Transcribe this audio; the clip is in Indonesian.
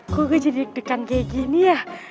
kok gue jadi deg degan kayak gini ya